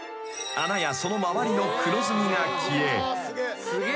［穴やその周りの黒ずみが消え］